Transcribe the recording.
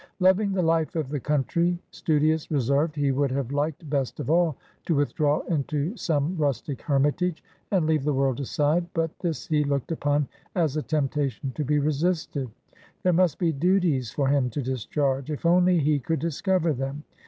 Loving the life of the country, studious, reserved, he would have liked best of all to withdraw into some rustic hermitage, and leave the world aside but this he looked upon as a temptation to be resisted; there must be duties for him to discharge, if only he could discover them.